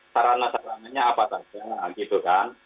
sarana sarananya apa saja gitu kan